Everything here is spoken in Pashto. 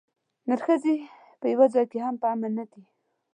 نرښځي په یوه ځای کې هم په امن نه دي.